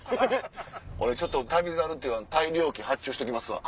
俺ちょっと「旅猿」っていう大漁旗発注しときますわ。